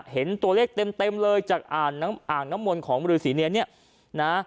เห็นตัวเลขเต็มเลยจากอ่างน้ำอ่างน้ำมนต์ของบริษีเนียนเนี่ยนะ